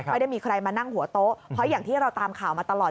ไม่ได้มีใครมานั่งหัวโต๊ะเพราะอย่างที่เราตามข่าวมาตลอด